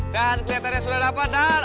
dan kelihatannya sudah dapat dan